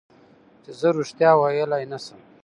چې زه رښتیا ویلی نه شم.